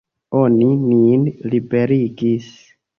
Oni nin liberigis.